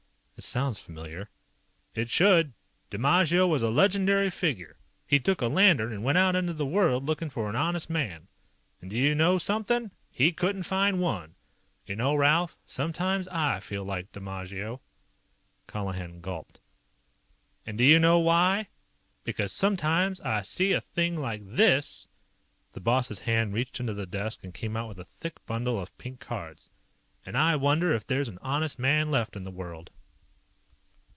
"It sounds familiar " "It should. Dimaggio was a legendary figure. He took a lantern and went out into the world looking for an honest man. And do you know something? He couldn't find one. You know, Ralph, sometimes I feel like Dimaggio." Colihan gulped. "And do you know why? Because sometimes I see a thing like this " the boss's hand reached into the desk and came out with a thick bundle of pink cards "and I wonder if there's an honest man left in the world."